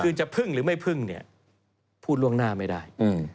คือจะพึ่งหรือไม่พึ่งเนี่ยพูดล่วงหน้าไม่ได้